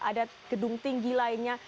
ada gedung tinggi lainnya